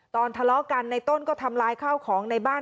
ทะเลาะกันในต้นก็ทำลายข้าวของในบ้าน